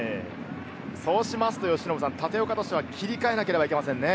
そうしますと立岡としては切り替えなければいけませんね。